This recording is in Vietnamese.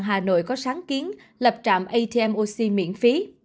hà nội có sáng kiến lập trạm atm oc miễn phí